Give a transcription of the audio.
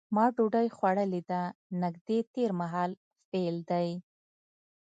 ما ډوډۍ خوړلې ده نږدې تېر مهال فعل دی.